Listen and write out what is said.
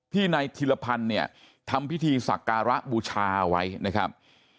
ที่ในธิรภัณฑ์ทำพิธีศักระบูชาไว้นะครับ